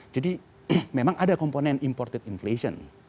jadi memang ada komponen imported inflation